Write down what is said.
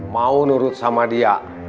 mau nurut sama dia